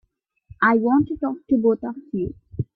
I want to talk to both of you.